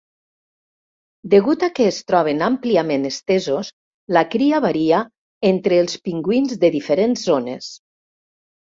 Degut a que es troben àmpliament estesos, la cria varia entre els pingüins de diferents zones.